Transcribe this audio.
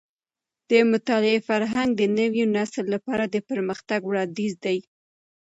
د مطالعې فرهنګ د نوي نسل لپاره د پرمختګ وړاندیز دی.